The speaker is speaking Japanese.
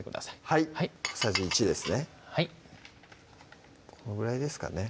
はいこのぐらいですかね